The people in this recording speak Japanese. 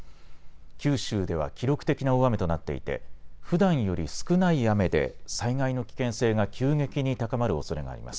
九州では記録的な大雨となっていてふだんより少ない雨で災害の危険性が急激に高まるおそれがあります。